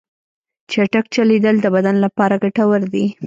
چټک چلیدل د بدن لپاره ګټور دي.